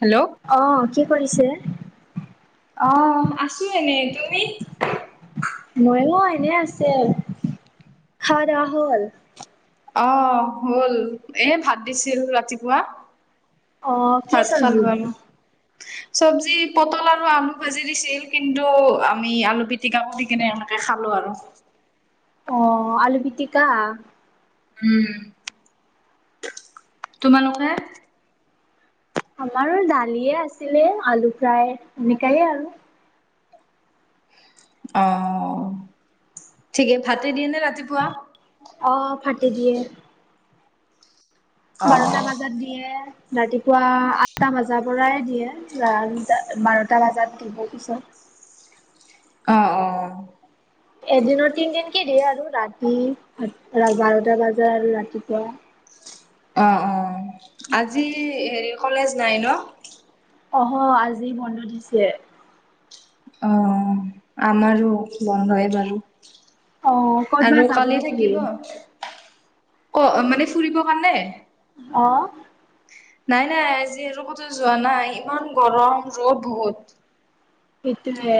Hello, অ, কি কৰিছে? অ, আছো এনেই তুমি? ময়ো এনে আছে, খোৱা দা, হ'ল? অ, হ'ল, এই ভাত দিছিল ৰাতিপুৱা। অ', কি ভাত চব্জি? খালোঁ, আৰু। চব্জি পটল আৰু আলু ভাজি দিছিল, কিন্তু আমি আলু পি পিটিকা পুতি, কেনে এনেকে খালো আৰু। অ, আলু পিটিকা? হম, তোমালোকে? আমাৰো দালিয়ে আছিলে, আলু ফ্ৰাই সেনেকাইে আৰু। অ, ঠিকে ভাতে দিয়ে নে ৰাতিপুৱা? অ, ভাতে দিয়ে। অ বাৰটা বাজাত দিয়ে, ৰাতিপুৱা আঠটা বাজাৰ পৰাই দিয়ে। ৰানদা, বাৰটা বজাত দিব পিছত। অ, অ, এদিনত তিনদিনকে দিয়ে আৰু ৰাতি বাৰটা বজাত আৰু ৰাতিপুৱা অ, অ, আজি হেৰি কলেজ নাই ন'? অ, হ, আজি বন্ধ দিছে। অ, আমাৰো বন্ধই বাৰু। অ', ক'তবা আৰু যাব কালি নেকি? থাকিব, অ, মানে ফুৰিব কাৰণে? অ, নাই, নাই, আজি কতো যোৱা নাই, ইমান গৰম ৰ'দ বহুত। সেইটোৱে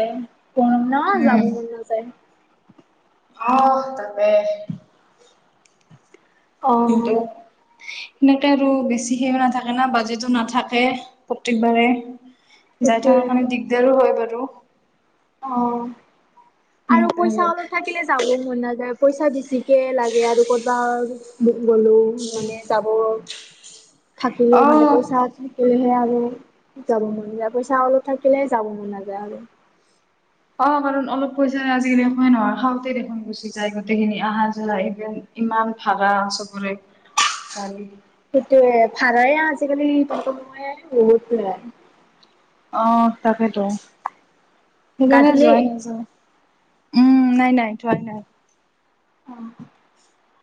গৰম ন, উম যাবই মন নাযায়। অহ, তাতে। কিন্তু অ'। সেনেকে আৰু বেছি সে, নাথাকে না, বাজেটো নাথাকে। প্ৰত্যেকবাৰে যাই সেইটোৱে। থকাৰ কাৰণ, দিক দাৰো হয় বাৰু। অ, আৰু পইচা অলপ থাকিলে যাবও মন নাযায় পইচা বেছিকে লাগে আৰু কতবা- মন গলেও মানে যাব, অ থাকিলেও মানে পইচা- বুলিহে আৰু, যাব মন যায় পইচা অলপ থাকিলে যাব মন নাযায় আৰু। অ' বাৰু অলপ পইচা আজিকালি সমাই নহয় খাওঁতে দেখোন গুচি যায় গোটেইখিনি আহা যোৱা ই ইমান ভাৰা চবৰে, কালি। সেইটোয়ে ভাৰাই আজিকালি বহুত লয়। অহ তাকেইতো, গা সেইকাৰণে ধূলি? যোৱাই নাযায়। উম নাই নাই যোৱাই নাই। অহ।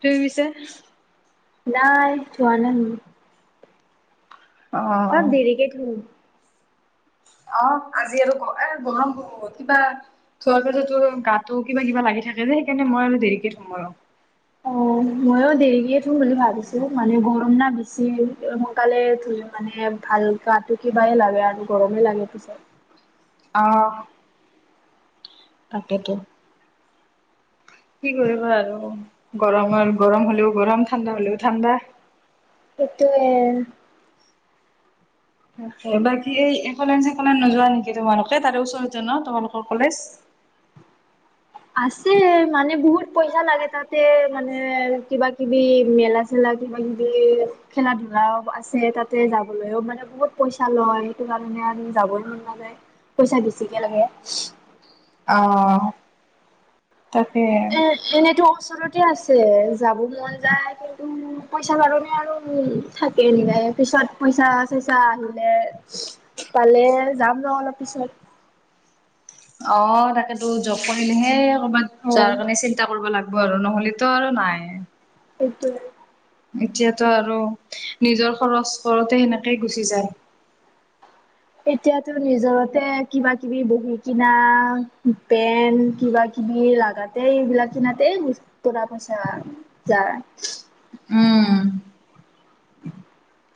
তুমি পিছে? নাই যোৱা নাই। অলপ অ দেৰিকে ধুম। অ আজি আৰু এ গৰম বহুত কিবা- ধোৱাৰ পিছতো গাতটো কিবা কিবা লাগি থাকে যে সেইকাৰণে মই অলপ দেৰিকে ধুম আৰু। অ ময়ো দেৰিকে ধুম বুলি ভাবিছো মানে গৰম না বেছি সোনকালে ধুলে- মানে ভাল গাটো কিবাই লাগে আৰু গৰমে লাগে পিছে। অহ। তাকেতো। কি কৰিবা আৰু, গৰমৰ গৰম হ'লেও গৰম ঠাণ্ডা হ'লেও ঠাণ্ডা। সেইটোৱে। বাকী এই একলেন চেকলেন নোযোৱা নেকি তোমালোকে তাৰে ওচৰতে না তোমালোকৰ কলেজ। আছে মানে বহুত পইচা লাগে তাতে মানে কিবা কিবি মেলা- খেলা কিবাকিবি খেলা ধূলাও আছে তাতে যাবলৈও মানে বহুত- পইচা লয় সেইটো কাৰণে আৰু যাবোও মন নাযায়, পইচা বেছিকে লাগে। অহ, তাকে। এ এনেতো ওচৰতে আছে যাব মন যায় কিন্তু পইচা কাৰণে আৰু- থাকে নিবাই পিছত পইচা চইচা আহিলে- পালে যাম ৰ অলপ পিছত। অ তাকেতো জব কৰিলেহে কৰবাত অ যোৱাৰ কাৰণে চিন্তা কৰিব লাগিব- আৰু নহ'লেতো আৰু নাই। সেইটোৱে। এতিয়াতো আৰু নিজৰ খৰচ পৰতে সেনেকেই গুচি যায়। এতিয়াতো নিজৰতে কিবা কিবি বহী কিনা পেন কিবা কিবি- কিবি লগাতে এইবিলাক কিনাতে পইচা যায়। উম।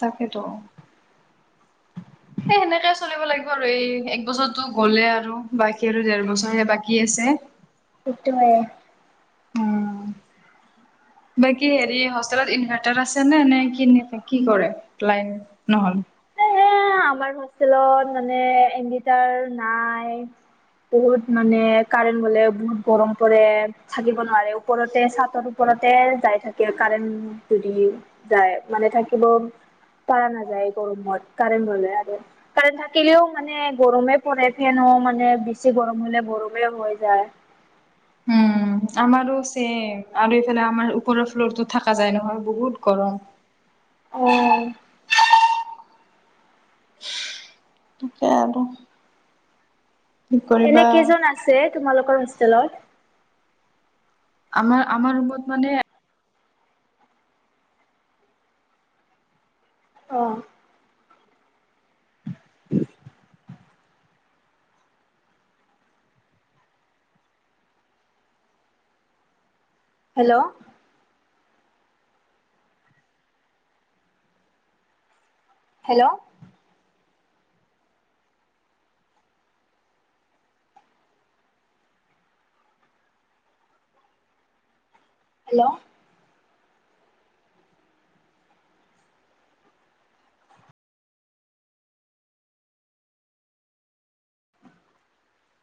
তাকেতো। এই সেনেকে চলিব লাগিব আৰু এই এক বছৰটো গ'লেই আৰু বাকী আৰু দেৰ বছৰহে বাকী আছে। সেইটোৱে। উম, বাকী হেৰি হোষ্টেলত ইনভাৰ্টাৰ আছে নে নে কি কি কৰে? লাইন নহ'লে। এ আমাৰ হোষ্টেলত মানে এনভেটাৰ নাই। বহুত মানে কাৰেণ্ট গলে বহুত গৰম পৰে। থাকিব নোৱাৰে ওপৰতে চাদৰ ওপৰতে যাই থাকে- কাৰেণ্ট যদি যায় মানে থাকিব পাৰা নাযায়। গৰমত কাৰেণ্ট গ'লে আৰু। কাৰেণ থাকিলেও মানে গৰমে পৰে, ফেনো মানে বেছি গৰম হ'লে গৰমে হৈ যায়। উম আমাৰো ছেম আৰু এইফালে আমাৰ ওপৰৰ ফ্লৰটো থাকা যায় নহয়। বহুত গৰম অঁ তাকে আক এনে কেইজন আছে তোমালোকৰ হোষ্টেলত? আমাৰ আমাৰ ৰুমত মানে অঁ। Hello hello hello